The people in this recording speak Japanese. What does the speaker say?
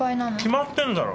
決まってんだろ。